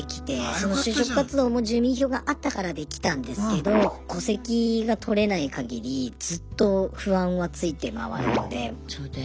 その就職活動も住民票があったからできたんですけど戸籍がとれない限りずっと不安はついてまわるので。